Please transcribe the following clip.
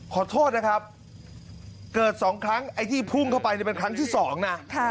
ขอโทษนะครับเกิด๒ครั้งไอ้ที่พุ่งเข้าไปเป็นครั้งที่๒นะ